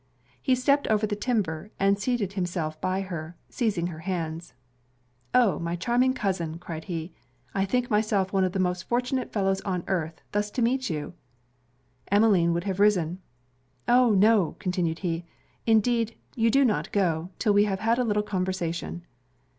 He stepped over the timber, and seating himself by her, seized her hands. 'Oh! my charming cousin,' cried he, 'I think myself one of the most fortunate fellows on earth, thus to meet you.' Emmeline would have risen. 'Oh! no,' continued he, 'indeed you do not go, 'till we have had a little conversation.'